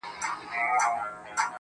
لکه شبنم چي د گلاب د دوبي لمر ووهي,